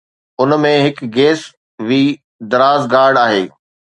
ان ۾ هڪ گيس وي دراز گارڊ آهي